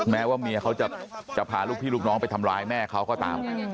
แม้ว่าเมียเขาจะพาลูกพี่ลูกน้องไปทำร้ายแม่เขาก็ตาม